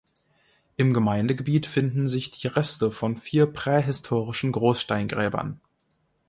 Im Gemeindegebiet finden sich die Reste von vier prähistorischen Großsteingräbern.